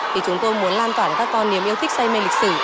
thì chúng tôi muốn lan tỏa các con niềm yêu thích say mê lịch sử